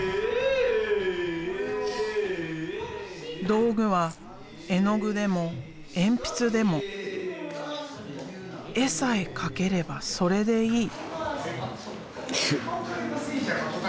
道具は絵の具でも鉛筆でも絵さえ描ければそれでいい。